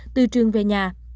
từ trường về nhà